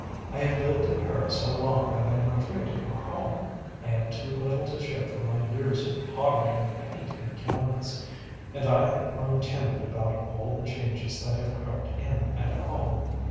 I have lived in Paris so long that I am afraid to go home: I have too little to show for my years of pottering with paint and canvas, and I have grown timid about all the changes that have crept in at home.